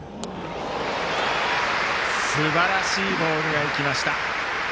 すばらしいボールがいきました。